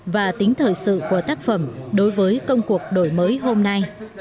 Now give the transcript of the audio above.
và tính thời sự của tác phẩm đối với công cuộc đổi mới hôm nay